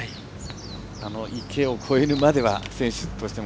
池を越えるまでは選手としても。